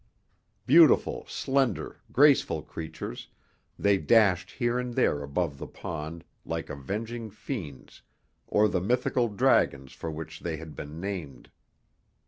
Beautiful, slender, graceful creatures, they dashed here and there above the pond like avenging fiends or the mythical dragons for which they had been named.